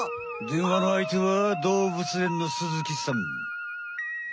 電話のあいては動物園の鈴木さん。